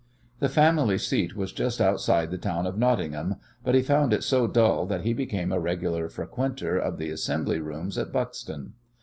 The family seat was just outside the town of Nottingham, but he found it so dull that he became a regular frequenter of the assembly rooms at Buxton.